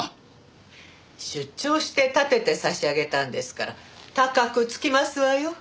出張してたてて差し上げたんですから高くつきますわよ。